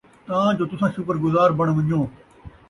تاں جو تُساں شکر گزار بَݨ وَن٘ڄو ۔